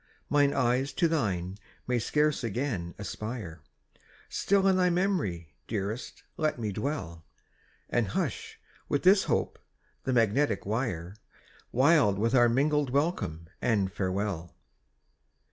My eyes to thine may scarce again aspire Still in thy memory, dearest let me dwell, And hush, with this hope, the magnetic wire, Wild with our mingled welcome and farewell!